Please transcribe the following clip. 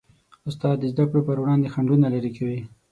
استاد د زدهکړو په وړاندې خنډونه لیرې کوي.